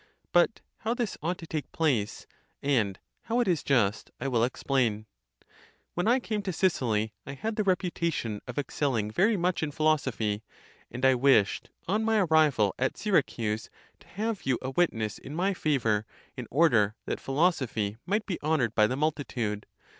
But how this ought to take place, and how it is just, I will explain. When I came to Sicily, I had the reputation of excelling very much in philosophy ; and I wished on my arrival at Sy racuse to have you a witness in my favour, in order! that phi losophy might be honoured by the multitude.